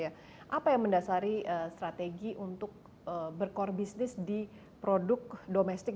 apa yang mendasari strategi untuk bercore business di produk domestik